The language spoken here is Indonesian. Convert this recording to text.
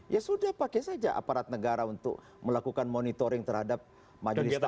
ya sudah pakai saja aparat negara untuk melakukan monitoring terhadap majelis takli